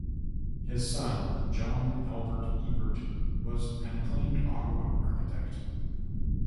His son John Albert Ewart was an acclaimed Ottawa architect.